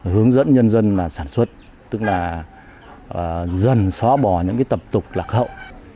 hướng dẫn nhân dân sản xuất tức là dần xóa bỏ những tập tục lạc hậu